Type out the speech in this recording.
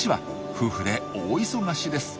夫婦で大忙しです。